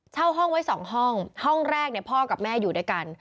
เช่าห้องไว้๒ห้องห้องแรกพ่อกับแม่อยู่ด้วยกัน